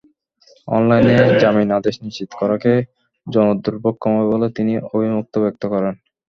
অনলাইনে জামিন আদেশ নিশ্চিত করাকে জনদুর্ভোগ কমাবে বলে তিনি অভিমত ব্যক্ত করেন।